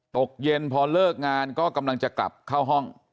ตกเย็นพอเลิกงานก็กำลังจะกลับเข้าห้อง